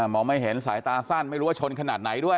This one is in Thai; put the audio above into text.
มองไม่เห็นสายตาสั้นไม่รู้ว่าชนขนาดไหนด้วย